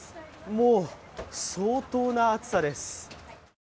もう、相当な暑さです。